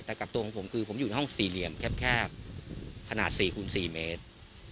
แต่กับตัวของผมคือผมอยู่ในห้องสี่เหลี่ยมแคบขนาด๔คูณ๔เมตร